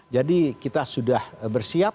jadi kita sudah bersiap